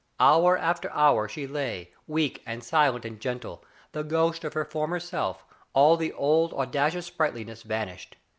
Hour after hour she lay, weak and silent and gentle, the ghost of her former self, all the old audacious sprightliness vanished.